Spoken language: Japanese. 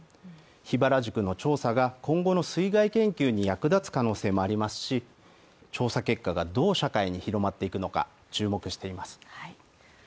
桧原宿の調査が今後の水害研究に役立つ可能性もありますし調査結果がどう社会に広まっていくのか注目しています。